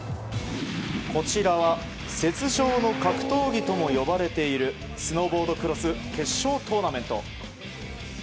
こちらは雪上の格闘技とも呼ばれているスノーボードクロス決勝トーナメント。